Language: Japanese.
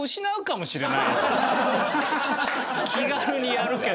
気軽にやるけど。